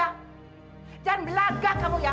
jangan belagah kamu ya